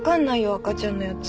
赤ちゃんのやつ。